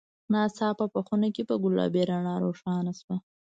ناڅاپه خونه په ګلابي رڼا روښانه شوه.